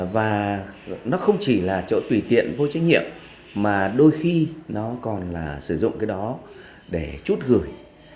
và nó không chỉ là chỗ tùy tiện vô trách nhiệm mà đôi khi nó còn là sử dụng cái đó để chút gửi